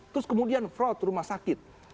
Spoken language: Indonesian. terus kemudian fraud rumah sakit